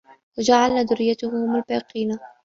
وَجَعَلنا ذُرِّيَّتَهُ هُمُ الباقينَ